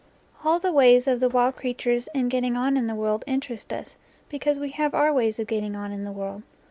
All the ways of the wild creatures in getting on in the world interest us, because we have our ways of getting on in the world.